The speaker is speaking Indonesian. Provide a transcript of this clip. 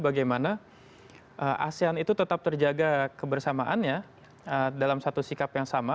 bagaimana asean itu tetap terjaga kebersamaannya dalam satu sikap yang sama